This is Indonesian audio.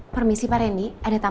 permisi pak randy